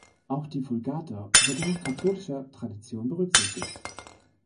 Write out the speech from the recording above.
Auch die Vulgata wird nach katholischer Tradition berücksichtigt.